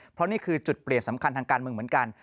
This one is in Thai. เพราะนี่คือจุดเปลี่ยนสำคัญทางการเมืองเหมือนกัน